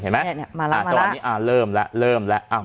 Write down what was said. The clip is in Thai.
เห็นไหมมาแล้วมาแล้วอ่าตอนนี้อ่าเริ่มแล้วเริ่มแล้วอ่า